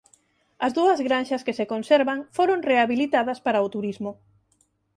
As dúas granxas que se conservan foron rehabilitadas para o turismo.